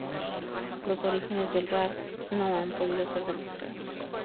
Los orígenes de Ralph no han podido ser demostrados.